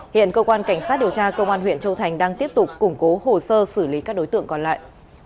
hiện cơ quan cảnh sát điều tra công an huyện châu thành đang tiếp tục củng cố hồ sơ xử lý các đối tượng còn lại